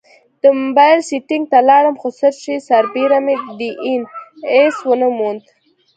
د مبایل سیټینګ ته لاړم، خو سرچ سربیره مې ډي این ایس ونه موند